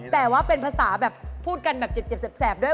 แต่ว่าเป็นภาษาแบบพูดกันแบบเจ็บแสบด้วย